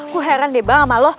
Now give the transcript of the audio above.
gue heran deh bang sama lo